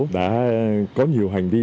đã có nhiều hành vi